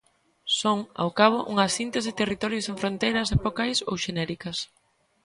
Son, ao cabo, unha síntese, territorio sen fronteiras epocais ou xenéricas.